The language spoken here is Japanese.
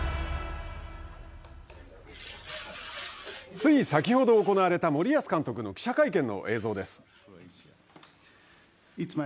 つい先ほど行われた森保監督の記者会見の映像です。